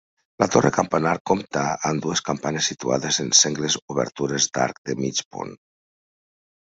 La torre campanar compta amb dues campanes situades en sengles obertures d'arc de mig punt.